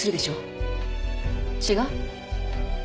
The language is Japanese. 違う？